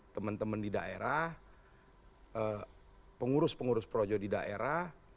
teman teman di daerah pengurus pengurus projo di daerah